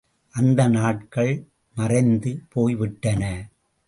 அந்த நாட்கள் மறைந்து போய் விட்டன.